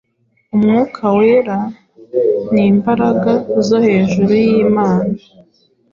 Umwuka Wera, nimbaraga zo hejuru yimana